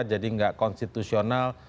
jadi tidak konstitusional